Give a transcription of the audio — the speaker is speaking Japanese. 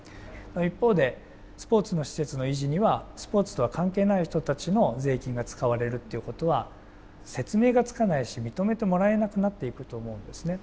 一方でスポーツの施設の維持にはスポーツとは関係ない人たちの税金が使われるっていうことは説明がつかないし認めてもらえなくなっていくと思うんですね。